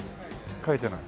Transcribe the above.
書いてない。